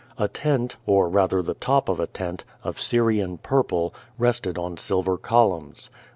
A tent, or rather the top of a tent, of Syrian purple, rested on silver columns.